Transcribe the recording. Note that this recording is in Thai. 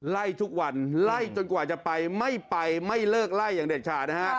ไล่ทุกวันไล่จนกว่าจะไปไม่ไปไม่เลิกไล่อย่างเด็ดขาดนะฮะ